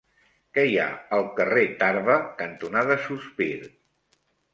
Què hi ha al carrer Tarba cantonada Sospir?